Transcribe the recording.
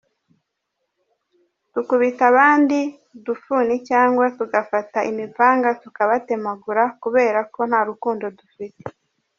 Dukubita abandi udufundi cyangwa tugafata imipanga tukabatemagura kubera ko nta rukundo dufite.